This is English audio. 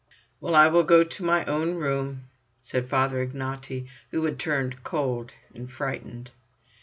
"Well, I will go to my own room," said Father Ignaty, who had turned cold and frightened.